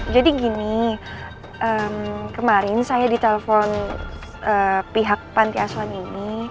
jadi gini kemarin saya ditelepon pihak panti asuhan ini